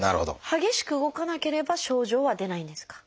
激しく動かなければ症状は出ないんですか？